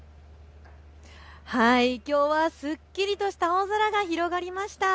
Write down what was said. はい、きょうはすっきりとした青空が広がりました。